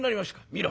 「見ろ。